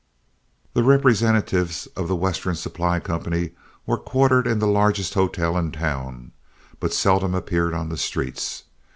The representatives of The Western Supply Company were quartered in the largest hotel in town, but seldom appeared on the streets.